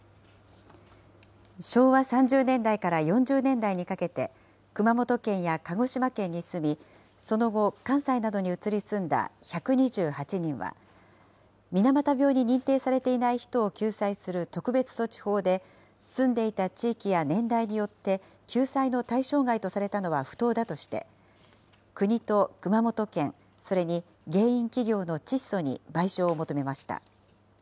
昭和３０年代から４０年代にかけて、熊本県や鹿児島県に住み、その後、関西などに移り住んだ１２８人は、水俣病に認定されていない人を救済する特別措置法で、住んでいた地域や年代によって救済の対象外とされたのは不当だとして、国と熊本県、それに原因企業のチッソに賠償を求めました。